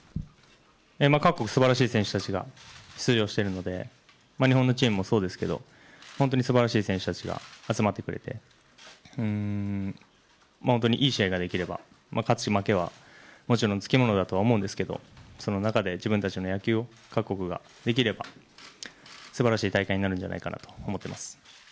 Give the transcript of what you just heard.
各国すばらしい選手たちが出場しているので日本のチームもそうですけど、本当にすばらしい選手たちが集まってくれて本当にいい試合ができれば勝ち負けはもちろんつきものだと思うんですけれども、その中で自分たちの野球を、各国ができればすばらしい大会になるんじゃないかなと思っています。